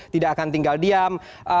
tidak akan tinggal diam